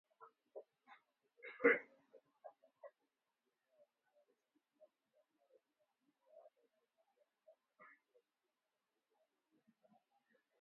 ili tufikie lengo letu mwaka ishirini na ishirini na tatu ushindi wa kishindo